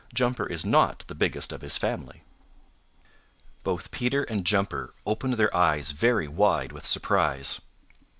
Jumper is not the biggest of his family." Both Peter and Jumper opened their eyes very wide with surprise.